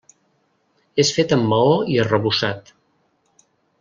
És fet amb maó i arrebossat.